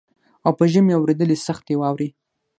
او په ژمي اورېدلې سختي واوري